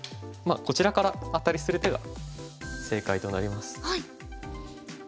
こちらからアタリする手が正解となります。